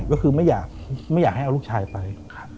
ก็คือไม่อยากให้เอาลูกชายไป